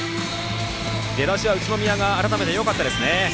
出だしは宇都宮がよかったですね。